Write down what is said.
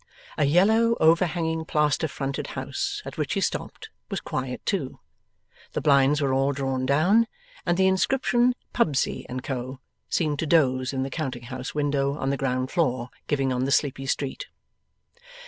A yellow overhanging plaster fronted house at which he stopped was quiet too. The blinds were all drawn down, and the inscription Pubsey and Co. seemed to doze in the counting house window on the ground floor giving on the sleepy street.